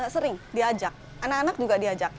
sering diajak anak anak juga diajak